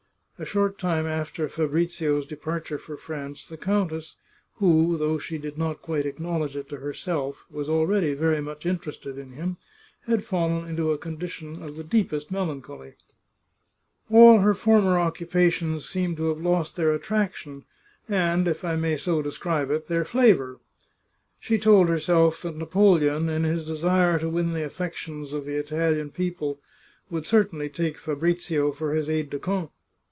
A short time after Fabrizio's departure for France the countess, who, though she did not quite acknowledge it to herself, was already very much interested in him, had fallen into a con dition of the deepest melancholy. All her former occupa tions seemed to have lost their attraction, and if I may so 96 The Chartreuse of Parma describe it, their flavour. She told herself that Napoleon, in his desire to win the affections of the Italian people, would certainly take Fabrizio for his aide de camp